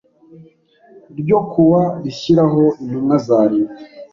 ryo ku wa rishyiraho Intumwa za Leta